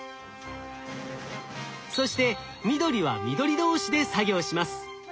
そして緑は緑同士で作業します。